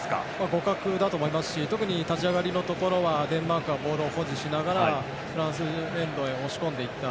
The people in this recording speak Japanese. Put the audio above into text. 互角だと思いますし特に立ち上がりのところはデンマークがボールを保持しながらフランスエンドへ押し込んでいった。